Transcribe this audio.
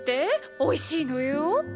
おいしいのよォ？